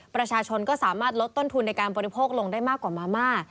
ประชาชนก็สามารถลดต้นทุนในการบริโภคลงได้มากกว่ามาม่า